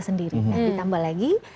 sendiri ditambah lagi